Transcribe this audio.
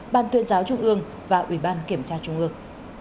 ban tuyên giáo trung ương và ủy ban kiểm tra trung ương